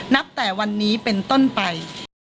นับแต่วันนี้เป็นต้นไป